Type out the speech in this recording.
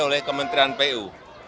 oleh kementerian pu